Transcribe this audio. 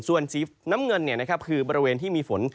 ส่วนสีน้ำเงินคือบริเวณที่มีฝน